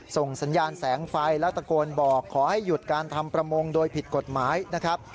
ส่งสัญญาณแสงไฟแล้วตะโกนบอกขอให้หยุดการทำประมงโดยผิดกฎหมายนะครับ